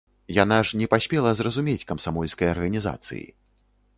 Яна ж не паспела зразумець камсамольскай арганізацыі.